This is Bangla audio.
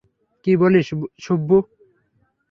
কী বলিস, সুব্বু?